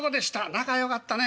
仲よかったね。